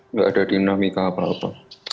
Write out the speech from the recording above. nggak ada dinamika apa apa